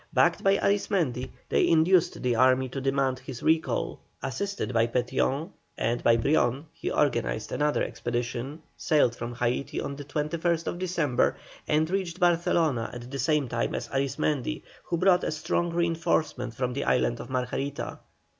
Backed by Arismendi they induced the army to demand his recall. Assisted by Petión and by Brion he organized another expedition, sailed from Haití on the 21st December, and reached Barcelona at the same time as Arismendi, who brought a strong reinforcement from the island of Margarita.